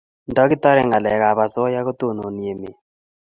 Ndakitar ngalek ab asoya ko tononi emet